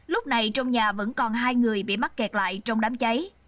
lúc này trong nhà vẫn còn hai người bị mắc kẹt lại trong đám cháy